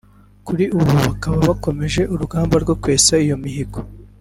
kuri ubu bakaba bakomeje urugamba rwo kwesa iyo mihigo